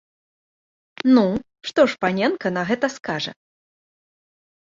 Ну, што ж паненка на гэта скажа?